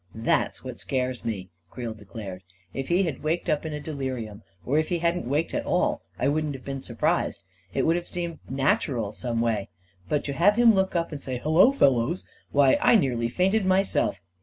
44 That's what scares me," Creel declared. 44 If he had waked up in a delirium — or if he hadn't waked at all — I wouldn't have been surprised. It would have seemed natural, some way. But to have him look up and say, 4 Hullo, fellows 1 9 Why, I nearly fainted myself